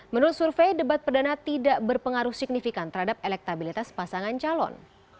menurut survei debat perdana tidak berpengaruh signifikan terhadap elektabilitas pasangan calon